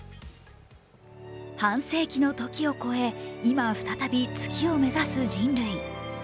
半世紀の時を超え今、再び月を目指す人類。